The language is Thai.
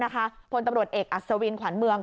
พลตำรวจเอกอัศวินขวัญเมือง